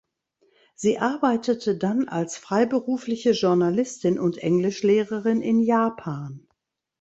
Sie arbeitete dann als freiberufliche Journalistin und Englischlehrerin in Japan.